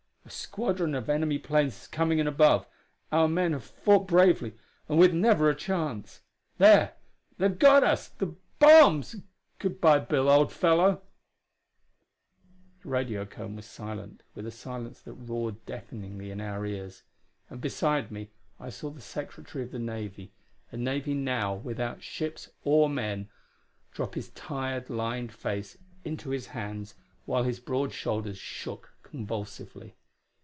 A squadron of enemy planes is coming in above. Our men have fought bravely and with never a chance.... There! they've got us! the bombs! Good by, Bill, old fellow " The radiocone was silent with a silence that roared deafeningly in our ears. And, beside me, I saw the Secretary of the Navy, a Navy now without ships or men, drop his tired, lined face into his hands, while his broad shoulders shook convulsively.